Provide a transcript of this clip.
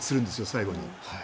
最後に。